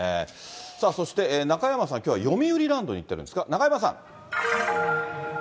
さあそして、中山さん、きょうはよみうりランドに行ってるんですか、中山さん。